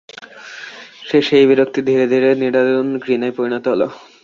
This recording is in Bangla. শেষে এই বিরক্তি ধীরে ধীরে নিদারুণ ঘৃণায় পরিণত হল।